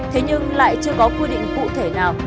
thế nhưng lại chưa có quy định cụ thể nào